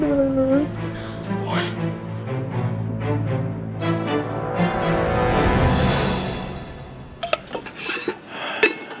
นายเป็นอะไรเลย